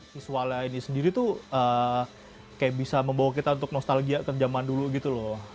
visualnya ini sendiri tuh kayak bisa membawa kita untuk nostalgia ke zaman dulu gitu loh